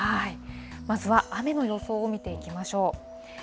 まずは雨の予想を見ていきましょう。